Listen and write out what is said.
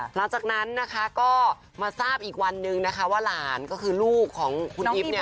หลังจากนั้นนะคะก็มาทราบอีกวันนึงนะคะว่าหลานก็คือลูกของคุณอิ๊บเนี่ย